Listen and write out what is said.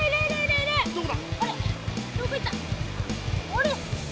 あれ？